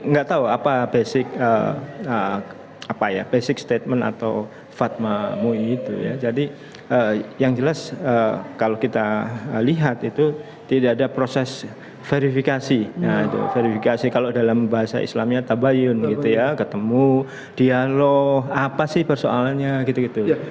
nggak tahu apa basic apa ya basic statement atau fatma mui itu ya jadi yang jelas kalau kita lihat itu tidak ada proses verifikasi verifikasi kalau dalam bahasa islamnya tabayun gitu ya ketemu dialog apa sih persoalannya gitu gitu